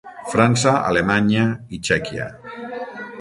França, Alemanya i Txèquia.